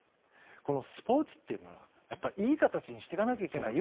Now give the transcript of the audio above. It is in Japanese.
このスポーツというものはいい形にしていかなくてはいけない。